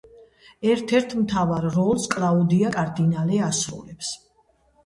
ერთ-ერთ მთავარ როლს კლაუდია კარდინალე ასრულებს.